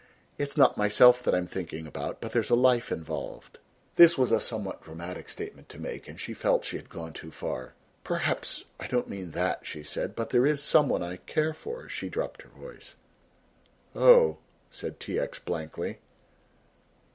It's not myself that I'm thinking about, but there's a life involved." This was a somewhat dramatic statement to make and she felt she had gone too far. "Perhaps I don't mean that," she said, "but there is some one I care for " she dropped her voice. "Oh," said T. X. blankly.